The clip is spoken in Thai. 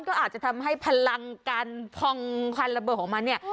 ก็อาจจะทำให้พลังการพองควันระเบิดของมันเนี่ย